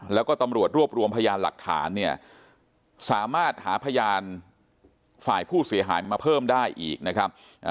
แล้วก็ตำรวจรวบรวมพยานหลักฐานเนี่ยสามารถหาพยานฝ่ายผู้เสียหายมาเพิ่มได้อีกนะครับ